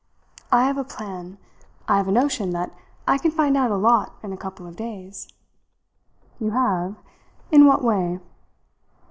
I have a plan. I have a notion that I can find out a lot in a couple of days." "You have? In what way?"